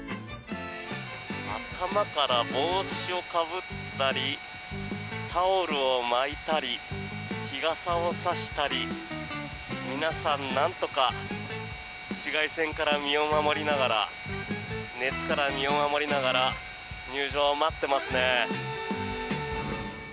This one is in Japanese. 頭から帽子をかぶったりタオルを巻いたり日傘を差したり皆さんなんとか紫外線から身を守りながら熱から身を守りながら入場を待ってますね。